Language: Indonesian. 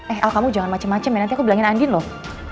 eh al kamu jangan macem macem ya nanti aku bilangin andien loh